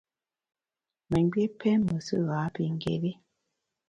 Memgbié pém mesù ghapingéri.